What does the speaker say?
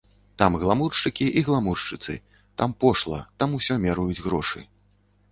Там гламуршчыкі і гламуршчыцы, там пошла, там усё мераюць грошы.